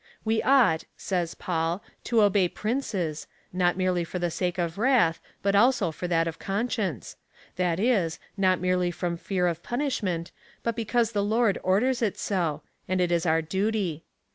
" We ought, says Paul, to obey princes, not merely for the sake of wrath, hut also for that of conscience" — that is, not merely from fear of punishment, but because the Lord orders it so, and it is our duty.